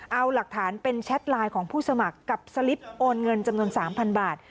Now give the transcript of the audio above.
เอาหลักฐานเป็นแชทไลน์ของผู้สมัครกับสลิปโอนเงินจำนวน๓๐๐บาท